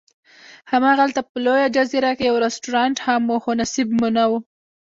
هماغلته په لویه جزیره کې یو رستورانت هم و، خو نصیب مو نه و.